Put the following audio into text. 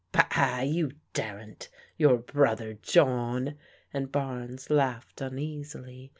" Bah, you daren't f Your brother John !" and Barnes laughed tmeasily.